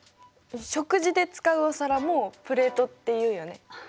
食事で使うお皿もプレートって言うよね。